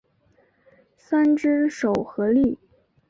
三只手合力。